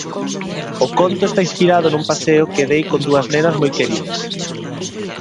O conto está inspirado nun paseo que dei con dúas nenas moi queridas.